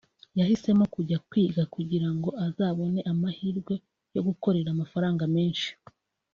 yahisemo kujya kwiga kugira ngo azabone amahirwe yo gukorera amafaranga menshi